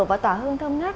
và tỏa hương thơm ngát